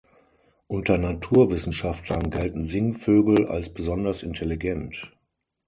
Unter Naturwissenschaftlern gelten Singvögel als besonders intelligent.